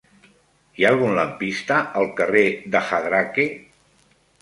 Hi ha algun lampista al carrer de Jadraque?